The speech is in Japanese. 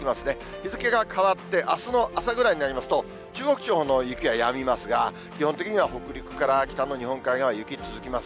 日付が変わって、あすの朝ぐらいになりますと、中国地方の雪はやみますが、基本的には北陸から北の日本海側は雪続きます。